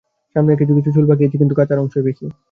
সামনের কিছু কিছু চুল পাকিয়াছে, কিন্তু কাঁচার অংশই বেশি।